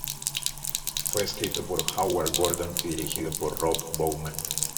Fue escrito por Howard Gordon y dirigido por Rob Bowman.